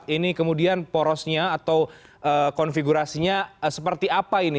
ini kemudian porosnya atau konfigurasinya seperti apa ini